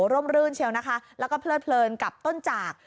ร่มรื่นเชียวนะคะแล้วก็เพลิดเพลินกับต้นจาก